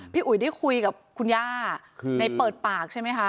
อุ๋ยได้คุยกับคุณย่าในเปิดปากใช่ไหมคะ